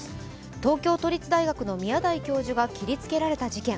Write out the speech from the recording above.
東京都立大学の宮台教授が切りつけられた事件。